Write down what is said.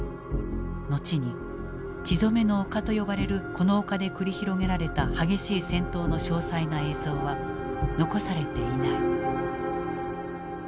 後に「血染めの丘」と呼ばれるこの丘で繰り広げられた激しい戦闘の詳細な映像は残されていない。